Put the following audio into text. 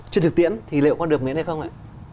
trên thực tiễn thì liệu có được miễn hay không ạ